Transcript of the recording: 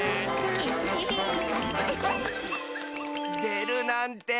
でるなんて！